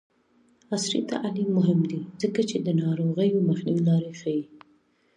عصري تعلیم مهم دی ځکه چې د ناروغیو مخنیوي لارې ښيي.